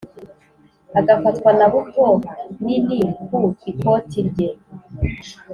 agafatwa na buto nini ku ikoti rye.